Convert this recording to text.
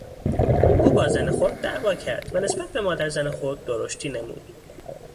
او با زن خود دعوا کرد و نسبت به مادرزن خود درشتی نمود.